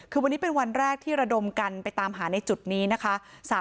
คือวันนี้เป็นวันแรกที่ระดมกันไปตามหาในจุดนี้นะคะ